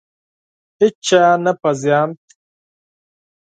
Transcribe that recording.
هیچا نه پېژاند.